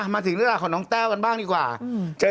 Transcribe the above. หายากก็ได้ไม่ยากใช่